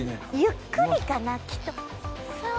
ゆっくりかな？きっとふわっ。